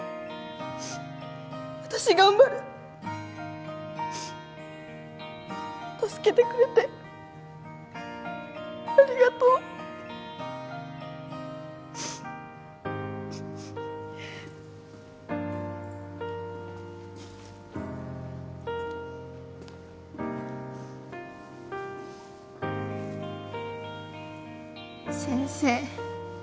私頑張る助けてくれてありがとう先生